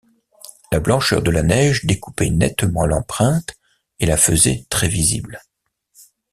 La blancheur de la neige découpait nettement l’empreinte et la faisait très visible.